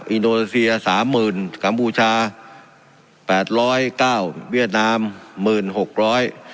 อินโดนีเซียสามหมื่นกัมพูชาแปดร้อยเก้าเวียดนามหมื่นหกร้อย